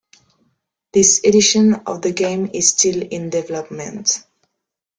This edition of the game is still in development.